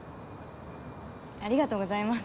ありがとうございます。